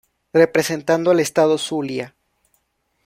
Representando al estado Zulia.